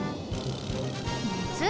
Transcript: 熱？